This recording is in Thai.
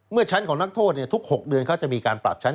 ชั้นของนักโทษทุก๖เดือนเขาจะมีการปรับชั้น